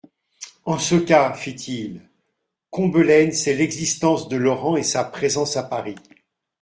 En ce cas, fit-il, Combelaine sait l'existence de Laurent et sa présence à Paris.